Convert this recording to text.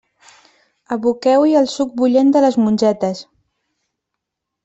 Aboqueu-hi el suc bullent de les mongetes.